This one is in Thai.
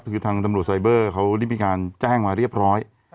คือทางตำรวจไซเบอร์เขาได้มีการแจ้งมาเรียบร้อย